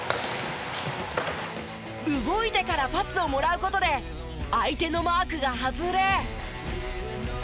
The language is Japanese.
動いてからパスをもらう事で相手のマークが外れ。